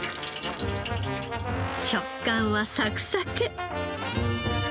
食感はサクサク。